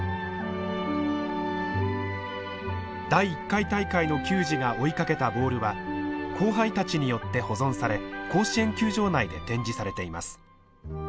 第１回大会の球児が追いかけたボールは後輩たちによって保存され甲子園球場内で展示されています。